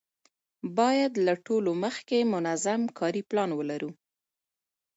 باید له ټولو مخکې منظم کاري پلان ولرو.